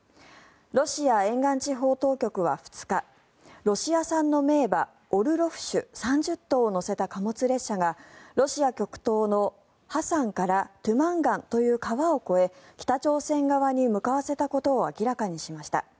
ロシア沿岸地方当局は２日ロシア産の名馬オルロフ種３０頭を乗せた貨物列車が、ロシア極東のハサンから豆満江という川を越え北朝鮮側に向かわせたことを明らかにしました。